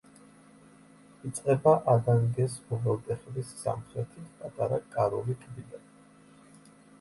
იწყება ადანგეს უღელტეხილის სამხრეთით პატარა კარული ტბიდან.